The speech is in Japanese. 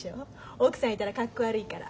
奥さんいたら格好悪いから。